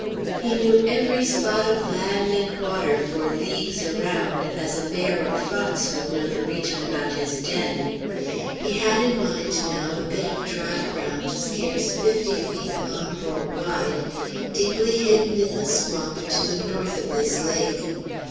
He knew every spot of land and water for leagues around, as a bear or a fox would know the region about his den. He had in mind now a bit of dry ground scarce fifty feet long or wide, deeply hidden in the swamp to the north of this lake.